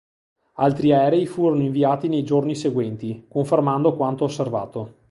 Altri aerei furono inviati nei giorni seguenti, confermando quanto osservato.